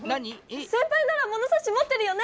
せんぱいならものさしもってるよね！